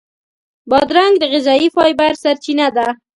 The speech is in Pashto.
بادرنګ د غذایي فایبر سرچینه ده.